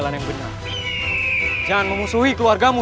rai bangunlah rai